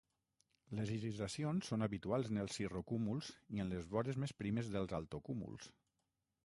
Les irisacions són habituals en els cirrocúmuls i en les vores més primes dels altocúmuls.